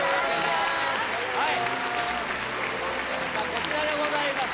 こちらでございます。